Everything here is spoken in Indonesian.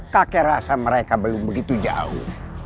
kakek rasa mereka belum begitu jauh